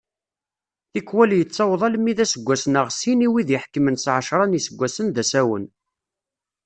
Tikwal yettaweḍ almi d aseggas neɣ sin i wid iḥekmen s ɛecra n yiseggasen d asawen.